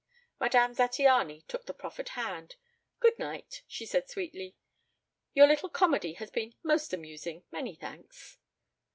Madame Zattiany took the proffered hand. "Good night," she said sweetly. "Your little comedy has been most amusing. Many thanks."